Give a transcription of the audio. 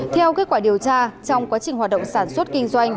theo kết quả điều tra trong quá trình hoạt động sản xuất kinh doanh